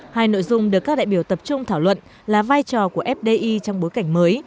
hai nội dung được các đại biểu tập trung thảo luận là vai trò của fdi trong bối cảnh mới